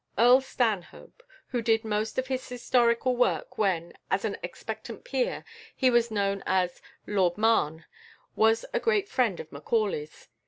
=Earl Stanhope (1805 1875)=, who did most of his historical work when, as an expectant peer, he was known as Lord Mahon, was a great friend of Macaulay's.